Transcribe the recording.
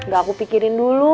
gak aku pikirin dulu